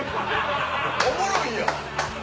おもろいやん。